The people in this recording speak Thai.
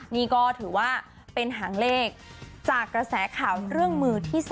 นี่ก็ถือว่าเป็นหางเลขจากกระแสข่าวเรื่องมือที่๓